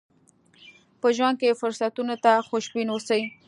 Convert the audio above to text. په ژوند کې فرصتونو ته خوشبين اوسئ.